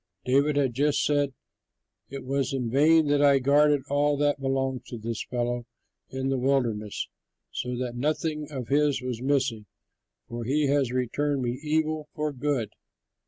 David had just said, "It was in vain that I guarded all that belongs to this fellow in the wilderness, so that nothing of his was missing, for he has returned me evil for good.